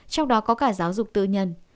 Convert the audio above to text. trong đó có cả giáo dục tư nhân